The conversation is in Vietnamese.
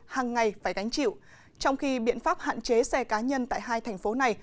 hàng ngày phải gánh chịu trong khi biện pháp hạn chế xe cá nhân tại hai thành phố này